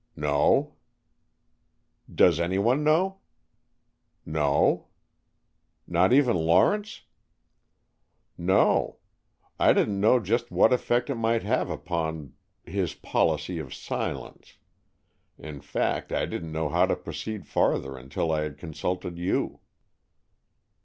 "No." "Does anyone know?" "No." "Not even Lawrence?" "No. I didn't know just what effect it might have upon his policy of silence. In fact, I didn't know how to proceed farther, until I had consulted you."